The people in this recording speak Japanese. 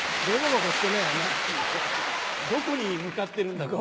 どこに向かってるんだろうね。